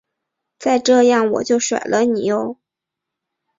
再这样我就甩了你唷！